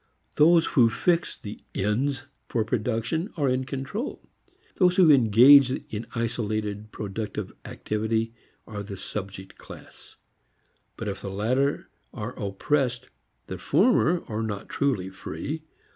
Those who fix the "ends" for production are in control, those who engage in isolated productive activity are the subject class. But if the latter are oppressed the former are not truly free.